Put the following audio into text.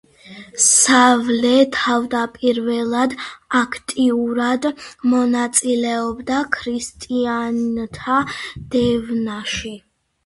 სავლე, თავდაპირველად აქტიურად მონაწილეობდა ქრისტიანთა დევნაში.